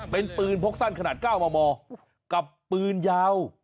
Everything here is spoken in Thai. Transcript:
เป็นปืนพกสั้นขนาด๙มมกับปืนยาว